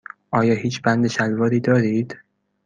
آیا هیچ بند شلواری دارید؟